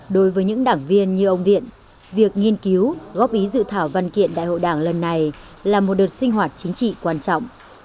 đối với những đảng viên như ông viện việc nghiên cứu góp ý dự thảo văn kiện đại hội đảng lần này là một đợt sinh hoạt chính trị quan trọng